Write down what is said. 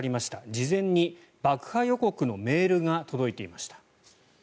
事前に爆破予告のメールが届いていました。